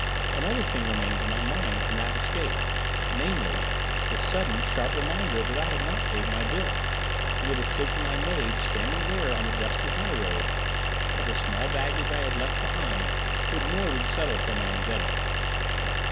"Another thing remains in my mind from that escape—namely, the sudden sharp reminder that I had not paid my bill, and the decision I made, standing there on the dusty highroad, that the small baggage I had left behind would more than settle for my indebtedness.